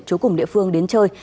chú cùng địa phương đến chơi